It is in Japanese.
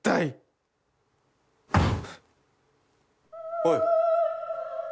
おい。